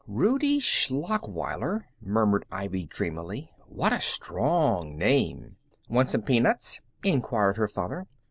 "Rudie Schlachweiler!" murmured Ivy, dreamily. "What a strong name!" "Want some peanuts?" inquired her father.